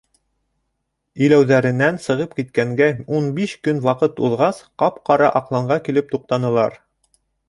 Иләүҙәренән сығып киткәнгә ун биш көн ваҡыт уҙғас, ҡап-ҡара аҡланға килеп туҡтанылар.